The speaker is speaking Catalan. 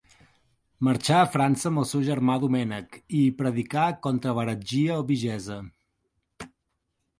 Marxà a França amb el seu germà Domènec, i hi predicà contra l'heretgia albigesa.